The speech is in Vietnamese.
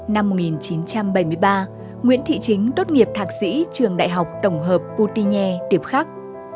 năm một nghìn chín trăm bảy mươi ba nguyễn thị chính tốt nghiệp thạc sĩ trường đại học tổng hợp putine tiếp khắc